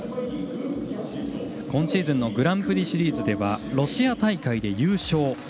今シーズンのグランプリシリーズではロシア大会で優勝。